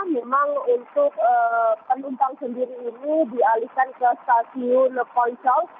memang untuk penumpang sendiri ini dialihkan ke stasiun ponsel